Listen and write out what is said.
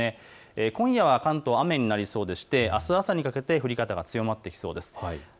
今夜の関東、雨になりそうでしてあす朝にかけて降り方が強まってきそうです。